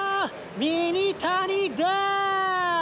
ミニタニでーす。